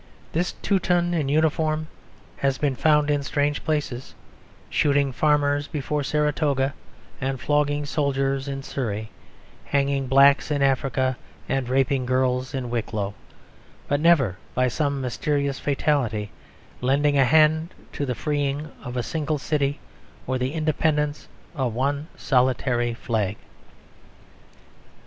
This Teuton in uniform has been found in strange places; shooting farmers before Saratoga and flogging soldiers in Surrey, hanging niggers in Africa and raping girls in Wicklow; but never, by some mysterious fatality, lending a hand to the freeing of a single city or the independence of one solitary flag.